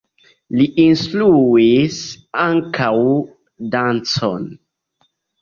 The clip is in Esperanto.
Li instruis ankaŭ dancon.